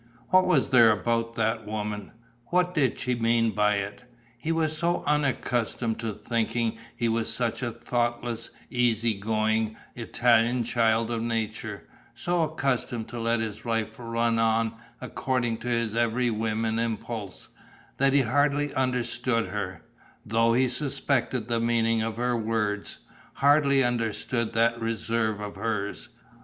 What was there about that woman? What did she mean by it? He was so unaccustomed to thinking, he was such a thoughtless, easy going, Italian child of nature, so accustomed to let his life run on according to his every whim and impulse, that he hardly understood her though he suspected the meaning of her words hardly understood that reserve of hers.